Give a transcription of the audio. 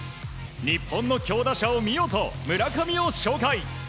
日本の強打者を見よと村上を紹介。